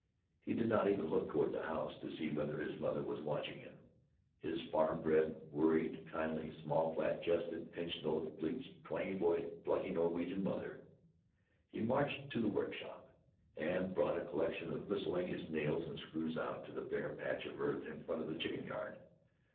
He did not even look toward the house to see whether his mother was watching him—his farm bred, worried, kindly, small, flat chested, pinch nosed, bleached, twangy voiced, plucky Norwegian mother. He marched to the workshop and brought a collection of miscellaneous nails and screws out to a bare patch of earth in front of the chicken yard.